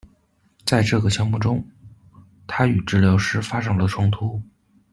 在这个项目中，他与治疗师发生了冲突。